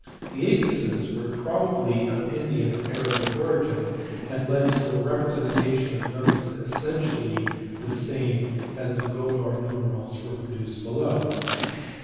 These apices were probably of Indian or Arabic origin, and lead to a repre sentation of numbers essentially the same as the Gobar numerals reproduced below (see p.